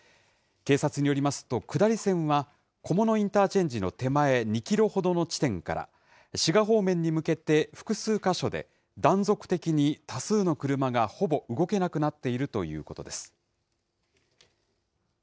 警察によりますと、下り線は菰野インターチェンジの手前２キロほどの地点から、滋賀方面に向けて複数箇所で、断続的に多数の車がほぼ動けなくなっているということです。